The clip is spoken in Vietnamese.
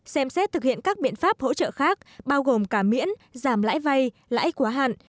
xem xét thực hiện các biện pháp hỗ trợ khác bao gồm cả miễn giảm lãi vay lãi quá hạn